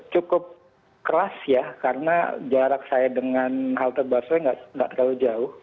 cukup keras ya karena jarak saya dengan halte busway nggak terlalu jauh